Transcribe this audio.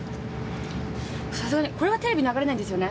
さすがにこれはテレビ流れないんですよね？